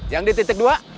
yang di titik dua